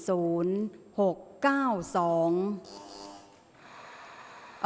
ออกรางวัลที่๖